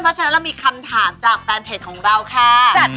ก็กลับสารเพจของเราค่ะ